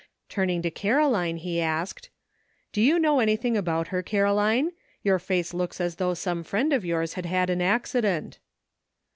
Turning to Caroline he asked: " Do you know anything about her, Caroline ? Your face looks as though some friend of yours had had an accident."